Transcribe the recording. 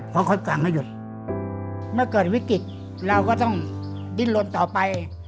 เพราะค่อยก่างให้หยุดมันเกิดวิกฤตเราก็ต้องบินลงต่อไป